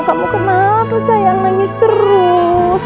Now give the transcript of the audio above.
kamu kena apa sayang nangis terus